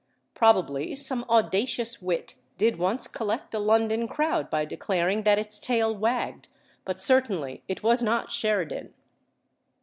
Probably some audacious wit did once collect a London crowd by declaring that its tail wagged but certainly it was not Sheridan.